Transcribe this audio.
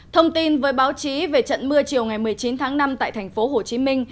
thông tin với báo chí về trận mưa chiều ngày một mươi chín tháng năm tại tp hcm